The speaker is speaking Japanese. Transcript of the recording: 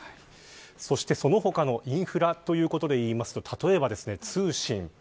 そして、その他のインフラというところでいますと例えば通信。